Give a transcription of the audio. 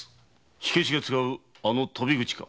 火消しが使うあの鳶口か？